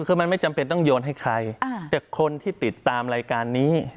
คือมันไม่จำเป็นต้องโยนให้ใครแต่คนที่ติดตามรายการนี้